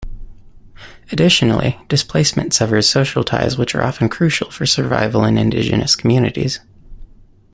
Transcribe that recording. Additionally, displacement severs social ties which are often crucial for survival in indigenous communities.